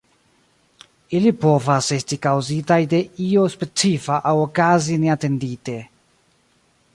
Ili povas esti kaŭzitaj de io specifa aŭ okazi neatendite.